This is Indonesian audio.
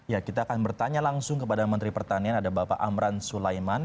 ya kita akan bertanya langsung kepada menteri pertanian ada bapak amran sulaiman